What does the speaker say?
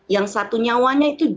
yang satu nyawanya itu